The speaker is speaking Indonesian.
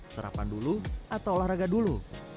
serapan dulu atau olahraga dulu